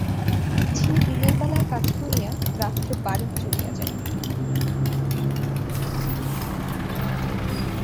ঝি দিনের বেলায় কাজ করিয়া রাত্রে বাড়ি চলিয়া যাইবে।